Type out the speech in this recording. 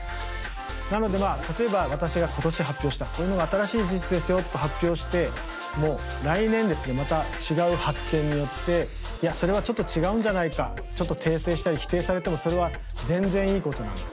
なのでまあ例えば私が今年発表したこういうのが新しい事実ですよと発表しても来年ですねまた違う発見によっていやそれはちょっと違うんじゃないかちょっと訂正したり否定されてもそれは全然いいことなんです。